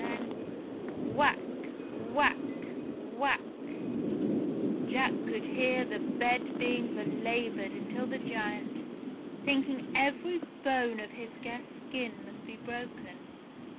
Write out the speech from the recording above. Then — Whack ! Whack ! Whack ! Jack could hear the bed being belaboured until the Giant, thinking every bone of his guest's skin must be broken.